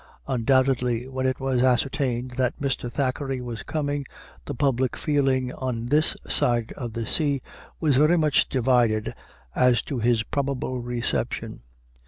Undoubtedly, when it was ascertained that Mr. Thackeray was coming, the public feeling on this side of the sea was very much divided as to his probable reception.